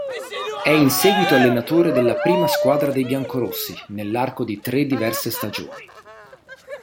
È in seguito allenatore della prima squadra dei biancorossi nell'arco di tre diverse stagioni.